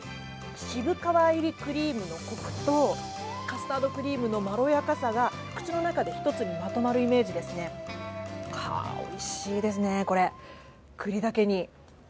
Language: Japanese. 渋皮入りクリームとカスタードクリームのまろやかさが口の中で一つにまとまるイメージですね、おいしいですね、これ。